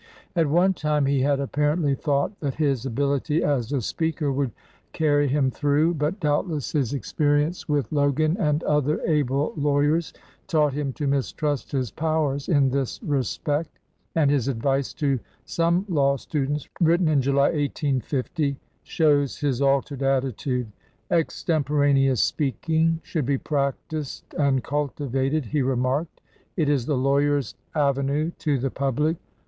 At one time he had apparently thought that his ability as a speaker would carry him through, but doubtless his experience with 198 LEADER OF THE BAR Logan and other able lawyers taught him to mis trust his powers in this respect, and his advice to some law students, written in July, 1850, shows his altered attitude. "Extemporaneous speaking should be practised and cultivated" he remarked. "It is the lawyer's avenue to the public.